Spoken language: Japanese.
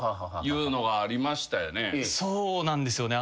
そうなんですよね。